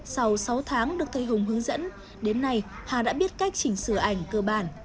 sau sáu tháng được thầy hùng hướng dẫn đến nay hà đã biết cách chỉnh sửa ảnh cơ bản